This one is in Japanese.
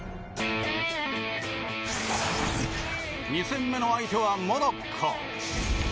２戦目の相手は、モロッコ。